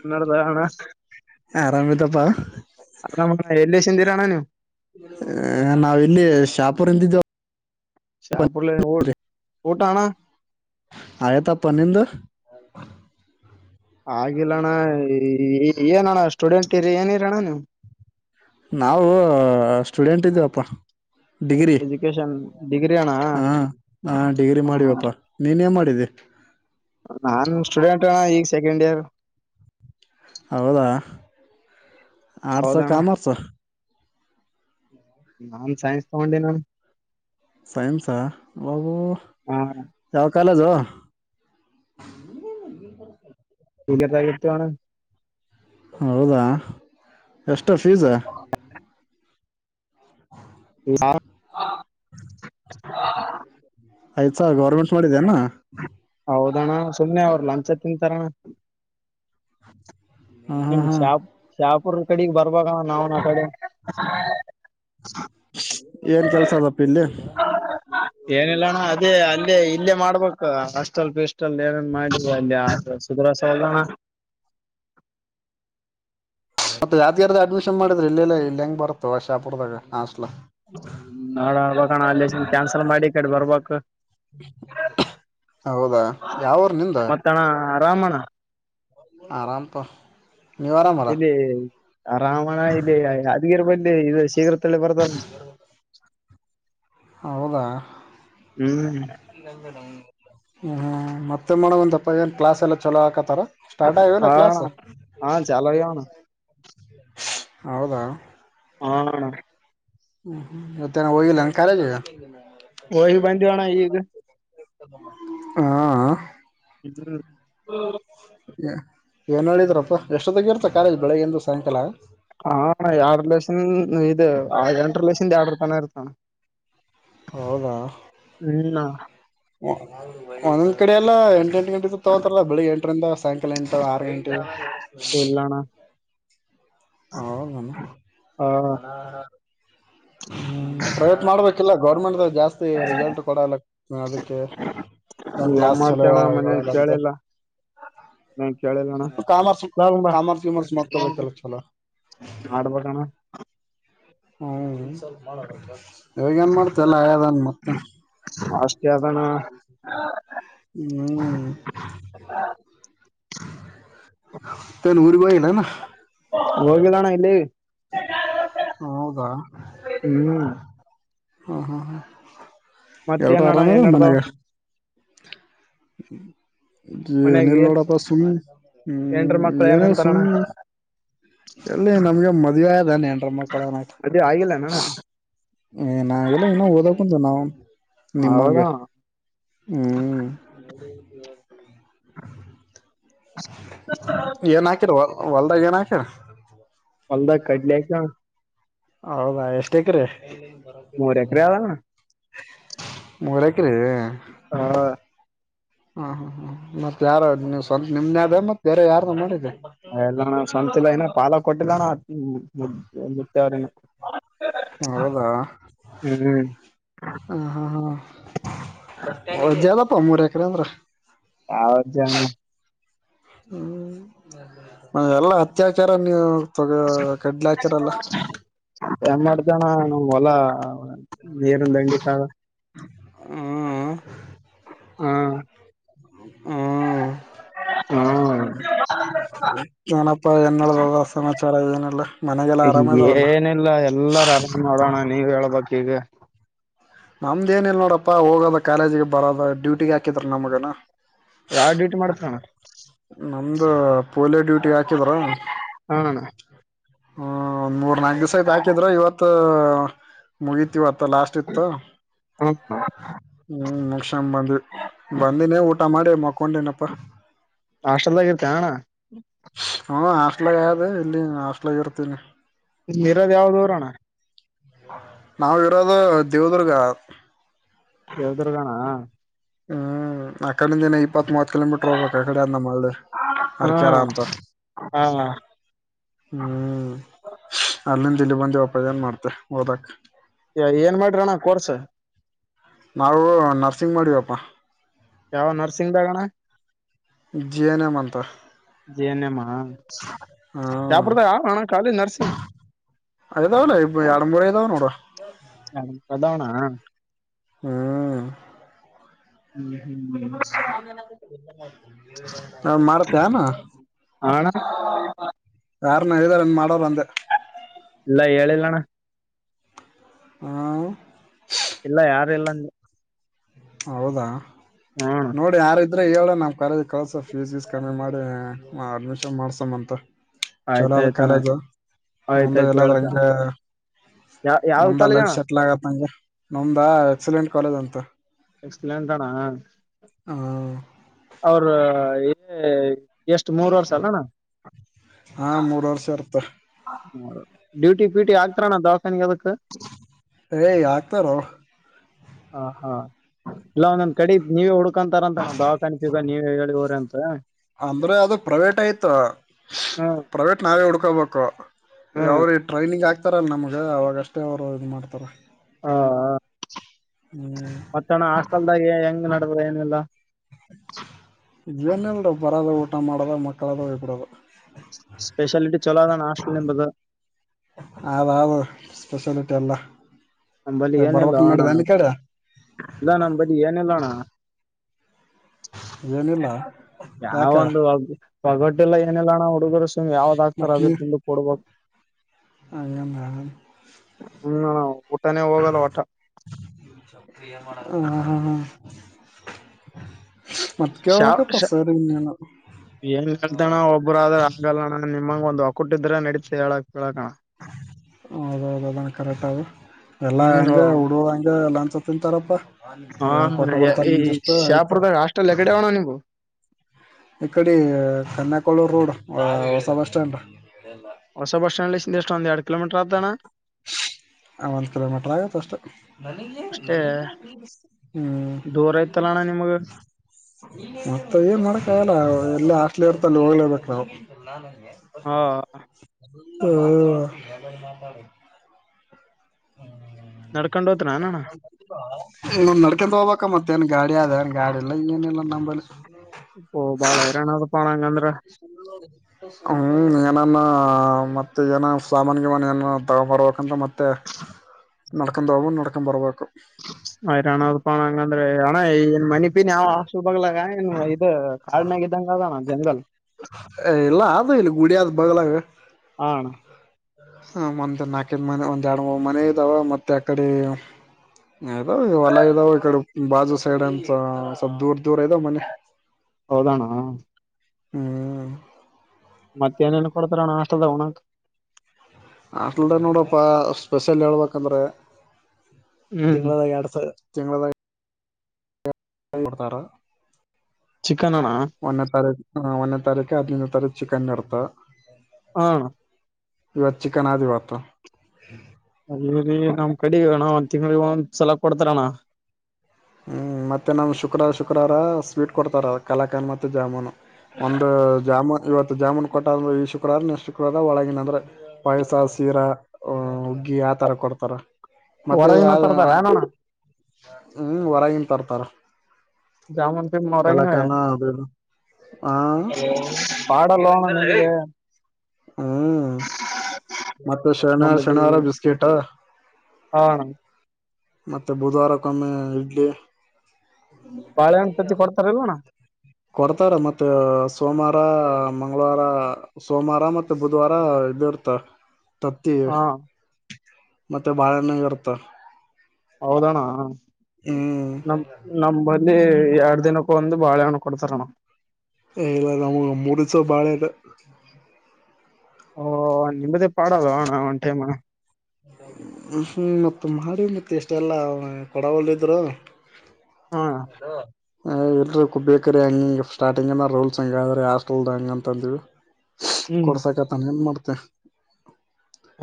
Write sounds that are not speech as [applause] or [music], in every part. ನನ್ನಡದಣ ಆರಾಮ ಇದದಪ್ಪಾ ಎಲ್ಲಿ ಸಿಂದಿರಣ್ಣ ನೀವು ಅ ನಾವ ಇಲ್ಲಿ ಶಾಪುರ್ಂದಿದ್ದ ಅಪಲ್ಲ ಓ ಓಟಣ ಆಯ್ತಪ್ಪ ನಿಂದು ಆಿಲ್ಲಣ್ಣ ಏನಣ್ಣ ಸ್ಟೂಡೆಂಟ್ ಇರಿ ಏನಿರಣ್ಣ ನೀವು ನಾವು ಸ್ಟೂಡೆಂಟ್ ಇದ್ದೇವಪ್ಪ ಡಿಗ್ರಿ ಎಜುಕೇಶನ್ ಡಿಗ್ರಿ ಅಣ್ಣ ಹಾ ಹಾ ಡಿಗ್ರಿ ಹ ಮಾಡಿವಪ್ಪಾ ನೀನ್ ನ್ ಮಾಡಿದ್ದಿ ನಾನ್ ಸ್ಟೂಡೆಂಟ್ ಈಗ ಸೆಕೆಂಡ್ ಇಯರ್ ಹೌದಾ ಆಡ್ಸ್ ಹೌದಣ್ಣ ಕಾಮರ್ಸ್ ನಾನ್ ಸೈನ್ಸ್ ತಗೊಂಡ ನಾನು ಸೈನ್ಸ್ ಬಬೂ ಹಾ ಯಾವ ಕಾಲೇಜೋ ಬೀದರದಾಗಿತ್ತುಣ ಹೌದಾ ಎಷ್ಟು ಫೀಸಾ [unintelligible] ಐದ ಸಾವಿರ ಗರ್ಮೆಂಟ್ ಹೌದಣ್ಣ ಸುಮ್ಮನೆ ಅವರು ಲಂಚ ತಿನಟರಣ್ಣ ಹಾಂ ಹಾಂ ನಿಮ್ ಹಾಂ ಶಾಪ ಶಾಪುರ್ ಕಡೆಗ್ ಬರ್ಬ ನಾವು್ನ ಕಡೆ ಏನು ಕೆಲಸ ಅದಪ್ಪ ಇಲ್ಲಿ ಏನಿಲ್ಲಣ ಅದೇ ಅಲ್ಲೇ ಇಲ್ಲೇ ಮಾಡ್ಬೇಕು ಹಾಸ್ಟೆಲ್ ಪೀಿಸಟಲ್ ಏನೇನ್ ಮಾಡಿದ ಅಲ್ಲಿ ಸುುದ್ರಸ ಎಲ್ಲ [inaudible] ಮತ್ತ ಯಾದಗಿರಿ ದಾಗ್ ಅಡಮಿಸನ್ ಮಾಡ್ರೆ ಇೆಲ್ಲ ಇ ಹೆಂಗ ಬತ ಅ ಶಾಪುರದಾಗ ನಾಡಬಣ ಅಲ್ಲಿ ಕ್ಯಾನ್ಸಲ್ ಮಾಡಿ ಕಟ್ ಬರ್ಬಕ್ ಹೌದಾ ಯಾವ ಊರ ನಿಂದ ರಮಣ ಆರಾಮ ಪ ಇಲ್ಲಿ ರಾಮಣ ಇಲ್ಲಿ ಯದ್ಗಿರ್ ಬಲಿ ಇ ಇದು ಶೀಘ್ರದಲ್ಲೇ ಬರ್ದ ಹೌದಾ ಹ್ಮ್ ಹ ಮತ್ತೆ ಏನಮಾಡಮ್ ಅಂದಪ್ಪಾ ಏನ್ ಕ್ಲಾಸ್ ಎಲ್ಲ ಚಲೋ ಹಾಕತ್ತಾರ ಸ್ಟಾರ್ಟ್ ಆಗಲ್ಲ ಹಾ ಕ್ಲಾಸ್ ಹಾ ಚಾಲೋ ಆಗ್ಯವಣ ಹೌದಾ ಹಾ ಅಣ್ಣಾ ಹ್ಮ್ಮ ಮತ್ತ ಎನ ಹೋಗಿಲ್ಲ ಕಾಲೇಜಿಗ ಹೋಗ್ಗಿ ಬಂಧ್ವಿ ಅಣ್ಣಈಗ ಹಾ ಹ್ಮ್ ಏನ್ ಹೇಳಿದ್ರಪ್ಪ ಎಷ್ಟೊತ್ತಗಿ ಇರ್ತ ಕಾಲೇಜ್ ಬೆಳಗ್ಗೆಯಿಂದ ಸಾಯಂಕಾಲ ಹಾ ಯಾರ ಲೇಸನ್ ಇದು ಆ ಎಂಟರ್ ದಸಿಂದ ಆರ್ಡರ್ ಪನ ಇರ್ತಾದ ಅಣ್ಣ ಹೌದಾ ಹ್ಮ್ ಈ ಕಡೆ ಎಲ್ಲ ಎಂಟ ಎಂಟು ಗಂಟೆ ತಗೋತಾರಲ್ಲ ಬೆಳಿಗ್ಗೆಂಟರಿಂದ ಸಾಯಂಕಾಲ ಎಂಟು ಆರು ಗಂಟೆ ಇಲ್ಲಣ್ಣ ಹ ಹ ಹ್ಮ ಪ್ರಯತ್ನ ಮಾಡ್ಬೇಕ ಲ್ಲ ಗೌರ್ಮೆಂಟ್ ಜಾಸ್ತಿ ರಿಸಲ್ಟ್ ಕೊಡಲ್ಲ ಅದಕ್ಕೆ ಏನ ಕ್ಲಾಸ್ ಚಲೋ ಮಾಡ್ತೇಣ ಮನ್ಯಾಗ ಹೇಳಲ್ಲ ಅಂತ ಕೆಳೇಳಿಲ್ಲ ಕೇಳಿಲ್ಲ ಅಣ್ಣ ಕಾಮರ್ಸ್ ತಗೊಂಡ ಬಾ ಕಾಮರ್ಸ್ ಗಿಮರ್ಸ್ ಮಾಡ್ಕೋಬೇಕಲ್ಲ ಚಲೋ ಆಡಬೇಕಣ ಹ್ಮ ಇಗ ಏನ್ ಮಾಡ್ತಲ್ಲ ಆಯದನ್ ಮತ್ತ ಅಷ್ಟೇ ಅದಣ ಹ್ಮ್ ತೆನ್ನ ಉರಿಗ ಹೋಗಿಲ್ಲ ಏನ ಹೋಗಿಲಣ ಯೇಲಿಗ ಹೌದಾ ಹ್ಮ್ ಹ್ಮ ಹ್ಮ್ ಹ್ಮ್ ಎಲ್ಡು ಮತ್ತೇನಣ್ಣ ಆರಾಮ್ ಅದ ಏನ್ ಮನ್ಾಗ ನಡ್ದಾವ್ ಏನ ಮನ್ಯಾಗ ಇಿಲ್ಲ ಏನ್ ನೋಡಪ್ಪ ಸುಮ್ಮ್ನೆ ಹೆಂಡ್ರ ಹ್ಮ್ ಮಕ್ಳ ಏನ ಏನಂತಾರಣ ಸುಮ್ಮ್ನೆ ಎಲ್ಲಿ ನಮ್ಗೆ ಮದ್ೆ ಅದ ನೆಂಡರಮ್ಮಕ್ಕಳನತ ಮದ್ವಿ ಆಗಿಲ್ಲನಣ್ಣ ಏ ನೆಲ್ಲ ಇನ್ನು ಓದಕಂದ ನಾವ್ ಹೌದಣ ನೀಮ್ಮಂಗೆ ಹ್ಮ್ ಏನ್ ಹಾಕಿರ ಹೊಲ್ದಾಗ ಏನ್ ಹಾಕಿರ ಅಲ್ದ ಕಟ್ಲ ಕ ಹೌದಾ ಎಷ್ಟಕ್ರೆ ಮೂರ್ ಎಕರೆ ಅದಣ ಮೂರ ಹ ಹಾ ಹಾ ಹಾ ಹಾ ಮತ್ತತ್ ಯಾರ ನೀ್ ಸ್ವಂತ ನಿಮ್ದೇ ಅದ ಮತ್ತತ್ ಬೇರೆ ಯಾರ್ದ ಮಾಡಿದ್ದ ಎಲ್ಲಣ್ಣ ಸ್ವಂತಿಲ್ಲ ಇನ ಪಾಲ ಕೊಟ್ಟಿಲ್ಲಣ ಮುತ್ತವ್ರನ ಹೌದಾ ಹ್ಮ್ ಹ ಹಾ ಹಾ ವಜಜದಪ್ಪ ಮೂರ್ ಎಕರೆ ಅಂದ್ರ ಯಾವರ್ಜಾನ ಹ್ಮ್ ಎಲ್ಲಾ ಅತ್ಯಾಚಾರ ನೀವು ತಗ ಕಡ್ಲಾಚಾರ ಎಲ್ಲ ಏನ್ ಮಾಡ್ತಣ ಹೊಲಾ ನೀರಿಂದಂಗಿಿತಾಗ ಹ್ಮ್ ಹ್ಮ ಹ್ಮ ಹ್ಮ ನಪ್ಪಾ ಏನ್ಡಸಾಚಾರ ಇದೇನಲ್ಲ ಏನಿಲ್ಲ ಎಲ್ಲಾರ ಆರಾಮ್ ಮಾಡೋಣ ನೀವ ಹೇಳ್ಬೇಕಕ್ ಈಗ ನಮ್ದ ಏನ ಇಿಲ್ಲ ನೋಡಪ್ಪಾ ಹೋಗೋದ ಕಾಲೇಜಿಗೆ ಬರೋದ ಡ್ಯೂಟಿಗೆ ಹಾಕಿದ್ರ ನಮ್ಗನ ಯಾವ ಡೀಟ್ ಮಾಡಕಣ ನಮ್ದ ಪೋಲಿಯೋ ಡ್ಯೂಟಿ ಹಾಕಿದ್ರ ಹಾ ಅಣ್ಣ ಹ ಒಂದ್ ಮೂರ್ ನಾಲ್ಕು ದಿವಸ ಐ್ತ ಹಾಕಿದ್ರ ಇವತ್ ಮುಗೀತಿವತ್ತ ಲಾಸ್ಟ್ ಹ್ಮ ಹ್ಮ್ ಮುಕ್ಷಾಮ ಬಂದ್ವಿ ಬಂದಿನೇ ಊಟ ಮಾಡಿ ಮ ಕೊೊಂಡನಪ್ಪ ಹಾಸ್ಟೆಲ್ದಾಗ ಇರ್ತ ಅಣ್ಣ ಹ ಹಾಸ್ಟ್ಲಗ ಇಲ್ಲಿ ಹಾಸ್ಟ್ಲಾಗ ಇರ್ತೀನಿ ನೀರ ದ ಯಾವದರಣ ನಾವ ಇರೋದು ದೇವದುರ್ಗ ಯಾವ್ದ್ರದಾನ ಹ್ಮ್ ಅಕಡೆಿಂದಏನ ಇಪ್ಪತ್ ಮೂವತ್ ಕಿಲೋಮೀಟರ್ ಹೋಗ್ಬೇಕ ಕಡೆ ಅ ನಮ್ಮೆ ಹಾ ಹರ್ಕಿ ಆರಾಮ್ಂತ ಹಾ ಹ್ಮ್ ಅಲ್ಲಿಂದ ಇಲ್ಲಿ ಬಂದ ವಪ ಜನ್ ಮಾಡ್ತೆ ಹಓದಕ್ ಯ ಏನ್ ಮಾಡ್ರಣ್ಣ ಕೋರ್ಸ ನಾವು ನರ್ಸಿಂಗ್ ಮಾಡೀಿವಪ್ಪಾ ಯಾವ ನರ್ಸಿಂಗ್ ಬಗೋಣ್ಣ ಜಿಯ ಎನ ಎ ಮಂತ ಜ ಎನ್ ಎಮ ಹ್ಮ್ ಸಾಪಡದಾಾ ಹಣ ಕಾಲೇಜ್ ನರ್ಸಂಗ ಅದಾವ ಎರಡು ಮೂರ ಇದಾವ ನೋಡ ಹ ಅದಾವಣ ಹ್ಮ್ ಹ್ಮ ಹ ಮಾಡತ್ತೆ ಅಾನ ಹಣ ಕಾರಣ ಇದಾನ ಮಾಡೋರು ಅಂದೆ ಇಲ್ಲ ಹೇಳಿಲ್ಲಣ್ಣ ಹ ಇಲ್ಲ ಯಾರಲ್ಲ ಹೌದಾ ನೋಡಿ ಯಾರತಿ ಅ್ರೆ ಹೇಳ ನಾವ್ ಕಾಲೇಜ್ ಕಳಸ ಫೀಸ್ಸ್ ಕಮ್ಮಿ ಮಾಡಿ ಅಡ್ಮಿಷನ್ ಮಾಡ್ಸಮ ಅಂತ ಚಲೋದ್ ಆಯ್ತಾಯ್ತಣ್ಣ ಕಾಲೇದು ಮುಂದೆ ಆಯ್ತಾಯ್ತು ಚಲಂ ಹೇಳ್ತ ಯಾವ ಯಾವ್ದ ಮುಂದ ಕಾಲೇಜ್ ಲೈ ಅಣ್ಣ ಸೆಟಲ್ ಆಗತ್ ನಂಗೆ ನಮಂದ ಎಕ್ಸಲೆಂಟ್ ಕಾಲೇಜ್ ಅಂತ ಎಕ್ಸ್ಪ್ಲೇನ್ ತಾನಾ ಹಾ ಅವ್ರ ಎಷ್ಟ ಮೂರ್ ವರ್ಷ ಅಲ್ಲನ ಹಾ ಮೂರು ವರ್ಷ ಇರ್ತ ಹೌದು ಡ್ಯೂಟಿ ಟಿ ಆಗ್ತಾರಣ ದವಸಾನಗೆ ಅದ ಎ ಆಗ್ತಾರ ಹ ಹಾ ಇಲ್ಲ ಒಂದೊಂದ್ ಕಡೆ ನೀವೇ ಹುಡ್ಕೊಂತಾರಂತ ಭಾವ ಕಾಣ್ತ ಈಗ ನೀವೇ ಹೇಳಿ ಹೋರ ಅಂತ ಅಂದ್ರೆ ಅದು ಪ್ರೈವೇಟ್ ಆಯ್ತು ಹ್ಮ್ ಪ್ರೈವೇಟ್ ನಾವೇ ಹುಡ್ಕೋಬೇಕು ಹ್ಮ್ ಅವರು ಟ್ರೈನಿಂಗ್ ಆಗ್ತಾರಲ್ಲ ನಮ್ಗೆ ಅವವಾಗಷ್ಟೇ ಅವ್ರು ಇದು ಮಾಡ್ತಾರ ಹ ಹ್ಮ್ ಮತ್ತಣ ಹಾಸ್ಟೆಲ್ದಾಗ ಹೆಂಗ್ ನಡದ ಏನಿಲ್ಲ ಜವನ್ಲ್ರೂ ಬರದ ಊಟ ಮಾಡದ ಮಕ್ಕಳದ ವಿಪರದ ಸ್ಪೆಷಾಲಿಟಿ ಚೊಲೋಾದಾನ ಹಾಸ್ಟಲ್ ಎಂಬುದು ತಕ್ಷೇಣ ತಲ್ಲ ನಂಬಲಿ ಏನೆಲ್ಲಣ ಇಲ್ಲ ನಂಬಲಿ ಏನಲ್ಲಣ ಏನಿಲ್ಲ ಯಾವ ಯಾಕ ಒಂದು ಒ ಪಗಟ್ಟೆಲ್ಲ ಏನಿಲ್ಲಲ್ಲಣಾ ಹುಡುಗರು ಸುಮ್ ಯಾವ್ದಾಗ ಆಗ್ತಾರ ಮತ್ ನೀ ಅದದು ತಿಂದ ಕೊಡ್ಬೇಕು [unintelligible] ಹ್ಮ ಊಟಾನೇ ಹೋಗಲ್ಲ ಒಟ ಹ ಹಾ ಹಾ ಶಾವ ಮತ್ತಕ ಪಸರನ್ನನು ಏನ್ ಹೇಳ್ತಾನ ಒಬ್ಬರಾದ್ರ ಹಂಗಲ್ಲಣ ನಿಮಂಗ ಒಂದ್ ಹೊಕ್ಕಟ್ಟಿದ್ರೆ ನಡೀತ ಹೇಳಕ್ ಕೇಳಕಣ ಹೌದೌದ ಅದ ಕರೆಕ್ಟ್ ಅದು ಎಲ್ಲ ಹ್ಮ್ ಹಂಗೆ ಹಡುದ ಹಂಗೆ ಎಲ್ಲ ತಿಂತಾರಪ್ಪಾ ಏನ್ ಹ ಕೊಟ್ಟ ಬರ್ತಾರ ಈ ನಿಮ್ದಿಷ್ಟು ಆಯ್ತು ಶಾಪುರದಾಗ ಹಾಸ್ಟೆಲ್ ಎಗಡೆ ಅಣ್ಣ ನಿಮ್ದು ಇ ಕಡೆ ಕನ್ಯಾಕುಳೂ ರೋಡ್ ಹೊಸ ಬಸ್ ಸ್ಟಾಂಡ್. ಹೊಸ ಡ್ ಲ ಸಿಷ್ಟ ಎರಡು ಕಲೋಮೀಟರ್ ಅತಾ. ಹ. ಆ ಒಂದ್ ಕಿಲೋಮೀಟರ್ ಆಗುತ್ತ ಅಷ್ಟ ಅಷ್ಟೇ ಹ್ಮ್. ಮಗರ್. ಮತ್ತ ಏನ್ ಮಾಡಕ ಆಲ್ಲ ಎಲ್ಲ ಅ. ಮಲ ಇರ್ತಾನ ಹೋಗ್ಲೇ ಇರ್ಬೇಕು ನಾವು. ಹ ಹ್ಮ. ನಡಕ. ಇಂದ ನಡ್ಕೊಂಡ ಹೋಗ್ಬ ಮತ್ತೆ ನ್ ಗಾಡಿ ಆದನ್ ಗಾಡಿ ಎಲ್ಲ ಏನಿಲ್ಲ ನಮ. ಇ ಬಾಳಯರನ ಪಣ. [inaudible] ಹ್ಮ್ ಏನಾನ ಮತ್ತೆ ಏನ ಸಾಮಾನ್ಗೆ ಮನ್ ಏನ ತಗೊಂಡ್ಂಬರ್ಬೇಕಂತ ಮತ್ತೆ. ಮತ್ತ ನಡ್ಕೊಂಡು ಬರ್ಬೋ ನಡ್ಕೊಂಡು ಬರ್ಬು. ಆಯ್ರಣ ಪಣ ಹಂಗಂದ್ರೆ. ಹ ನ್ ಮನಿಪಿನ್ ಯಾವ ಆಸ್ ಬಗ್ಲಾಗನ್ ಇದು ಕಾ್ಮಾಗ ಇದ್ದಂಗ ಅದಾನ ಜಂಗಲ್. ಎಲ್ಲ ಆದದು ಇಲ್ಲಿ ಗುಡಿಯಾದ ಬಗ್ಲಾಗ. ಹಣ. ಹ ಒಂದ ನಾಲ್ಕ ಮನೆ ಒಂದ್ ಎರಡು ಮನೆ ಇದಾವ ಮತ್ತೆ ಅಕಡೆ. ದಾವ ಹೊಲ ಇದದಾವ ಇಡೆ ಬಾಜು ಸೈಡ್ ಅಂತ ಸ ದೂರ ದೂರ ಐದಾವ ಮನೆ. [inaudible] ದಾನ. ಹ್ಮ್. ಮತ್ತೆ ಏನೇನ್ ಕೊಡ್ತಾರಣ ಹಾಸ್ಟೆಲ್ದಣಕ್. ಉಣ್ಣಾಕ ಆಟ್ಡೆ ನೋಡಪ್ಪ ಸ್ಪೆಷಲ್ ಹೇಳ್ಬೇಕಂದ್ರೆ. ಹ್ಮ್ ತಿಂಳದಾಗಿ ಎಡ್ಸ ತಿಂಗಳದಾಗಿ. ಕೊಡ್ತಾರ. ಚಿಕನಣ್ಣ. ಹ ಒಂದೇ ತರಕ್ಕೆ ಅದಂದ ತರ ಚಿಕನ್ ಇರ್ತ. ಹಾ. ಇವತ್ತು ಚಿಕನ್ ಆದಿ ಹೊತ. ಅ ನಮ್ ಕಡೆ ಅಣ ಒಂದ್ ತಿಂಗಗಳಿಗೆ ಒಂದ್ ಸಲ ಕೊಡ್ತಾರಣ್ಣ. ಹ್ಮ್ ಮತ್ತೆ ನಮ್ ಶುಕ್ರ ಶುಕ್ರವಾರ ಸ್ವೀಟ್ ಕೊಡ್ತಾರ ಕಲಾಕನ್ ಮತ್ತೆ ಜಾಮೂನು. ಒಂದು ಜಾಮು. ಇವತ್ತು ಜಾಮೂನು ಕೊಟ್ಟ ಅ ಈ ಶುಕ್ರವಾರ ಶುಕ್ರವಾರ ಒಳಗಿನ ಅಂದ್ರೆ ಪಾಯಸ ಸೀರಾ. ಯತರ ಕೊಡ್ತಾರ ಮತ್ತೆ ಯ. ಹೊರಗಿನ ತರ್ತಾರ ಏನಣ್ಣ ಹೊರಗನ್ ತರ್ತಾರ ಜಾಮೂನ್ ಪಿಮ್ ಹೊರಗಿನ ಕಲಾಕನ ಅದ. ಹಾ ಗ. ಪಾಡಲ್ಲ ಅಣ್ಣ ನಿಮ್ದೆ ಹ್ಮ ಮತ್ತೆ ಶಣ ನಮ್ಮದಿ ಶನಾರ ಬಿಸ್ಕೆಟ್. ಹಾ. ಮತ್ತೆ ಬುಧವಾರಕ್ಕೊಮ್ಮೆ ಇಡ್ಲಿ. ಬಾಳೆಹಣ್ಣು ತತ್ತಿ ಕೊಡ್ತಾರಿಲ್ಲ ಅಣ್ಣ ಕೊಡ್ತಾರ ಮತ್ತ. ಸೋಮವಾರ ಮಂಳವಾರ ಸೋಮವಾರ ಮತ್ತುತ್ತೆ ಬುಧವಾರ ಇದ ಇರ್ತ. ತತ್ತಿ ಹಾ ಮತ್ತೆ ಬಾಳೆಣ ಇರ್ತ. ಹೌದಣ್ಣ. ಹ್ಮ್. ಇಲ್ಲಿ ಎರಡ್ ದಿನಕ್ಕ ಒಂದು ಬಾಳೆ ಹಣ್ಣ ಕೊಡ್ತಾರ ನಣ. ಲ್ಲ ನ ಮೂರುಸ ಬಾಳೆರ. ಓ ನಿಮ್ಮದೇ ಪಾಡಲ್ಲ ಹಣ ಒನ್ ಟೈಮ್ಣ. ಹ್ಮ್ ಮ ಮಾಡಿ ಮತ್ತೆ ಎಷ್ಟೆಲ್ಲ ಕೊಡವಲ್ಲಿದ್ರು. ಹಾ ಅಲ ಎಲ್ರ ಬೇಕ್ರೀ ಹಂಗಿಂಗ ಸ್ಟಾರ್ಟಿಂಗ್ಏನ ರೂಲ್ಸ್ ಹಂಗ್ರೀ ಹಾಸ್ಟೆಲ್ದ ಹಂಗ ಅಂತ ಅಂದ್ವಿ ಹ್ಮ್ ಕೊಡ್ಸಾಕ ತಾನ ನ್ ಮಾಡ್ತೆೇ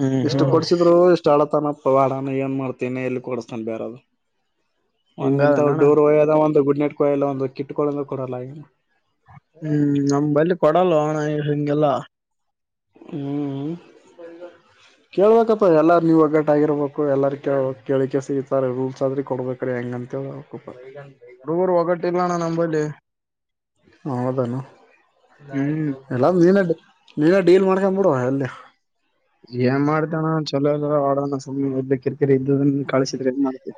ಹ್ಮ್ ಎಷ್ಟು ಹ್ಮ್ ಕೊಡ್ಸಿದ್ರು ಇಷ್ಟು ಆಳತನಪ್ಪ ವಾಡಾನ ಏನ್ ಮಾಡ್ತನ ಎಲ್ಲಿ ಕೊಡಸ್ತಾನ ಬೇರೆದು ಒಂದ್ ನಿಂತವ ಹಿಂಗದನಣ್ಣ ಡೂರ್ ಹೋಯದ ಒಂದು ಗ ಕಡ್ ಕಯ ಒಂದು ಕಿಟ್ಟಕೊಳ್ಳ ಕೊಡಲ್ಲ ಹ್ಮ್ ನಮ್ ಬಲ್ಲಿಿ ಕೊಡಲ್ಲ ಹಣ ಹಿಗೆಲ್ಲ ಹ್ಮ್ ಕೇಳ್ಬೇಕಪ್ಪಾ ಎಲ್ಲಾರ ನೀವು ಒಗ್ಗಟ್ಟ ಆಗಿರ್ಬೇಕು ಎಲ್ಲಾರ ಕ ಕೇಳಿಕೆ ಸಿಗತಾರೆ ರೂಲ್ಸ್ ಆದ್ರೆ ಕೊಡ್ಬೇಕ್ರ ಹೆಂಗಂತ ಹ ಹಡುೂರು ಒಗಟ್ಟ ಇಲ್ಲಾನ ನಂಬಲ್ ಹೌದಾನ ಹ್ಮ್ ಎಲ್ಲಾ ಮನು ನೀನ ಡೀಲ್ ಮಾಡ್ಕೊಂಡ್ಬ ಬಿಡುವ ಅಲ್ಲಿ ಏನ್ ಮಾಡತಣ ಚಲೋ ಎಲ್ಲ ಆಡೋಣ ಸಮಯ ಇರ್ಲಿಕ್ಕಿ ಸರಿ ಇದದು ಕಳಿಸಿದ್ರೆ ಏನ್ ಮಾಡ್ತ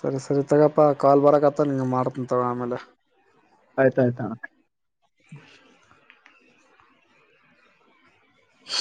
ಸರಿ ಸರಿ ತಗಪ್ಪಾ ಕಾಲ್ ಬರಕತ್ತ ನಿಂಗ ಮಾಡ್ತನ ತಗ ಆಮೇಲೆ ಆಯ್ತ ಆಯ್ತ ಹ